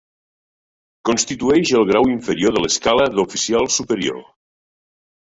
Constitueix el grau inferior de l'escala d'oficial superior.